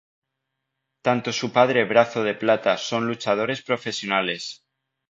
Tanto su padre Brazo de Plata son luchadores profesionales.